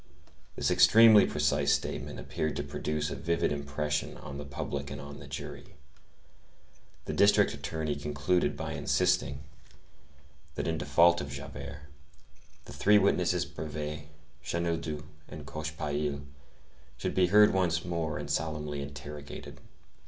'" This extremely precise statement appeared to produce a vivid impression on the public and on the jury. The district attorney concluded by insisting, that in default of Javert, the three witnesses Brevet, Chenildieu, and Cochepaille should be heard once more and solemnly interrogated.